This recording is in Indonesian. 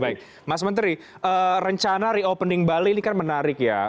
baik mas menteri rencana reopening bali ini kan menarik ya